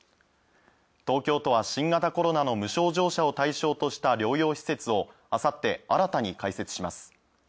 東京都は新型コロナの無症状者を対象とした療養施設をあさって新たに開設します。